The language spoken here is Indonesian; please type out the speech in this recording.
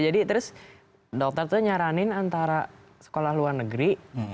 jadi terus dokter tuh nyaranin antara sekolah luar negeri